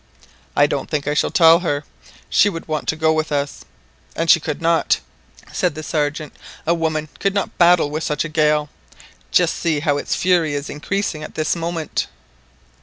"I don't think I shall tell her. She would want to go with us." "And she could not," said the Sergeant, "a woman could not battle with such a gale. Just see how its fury is increasing at this moment!"